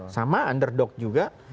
sama underdog juga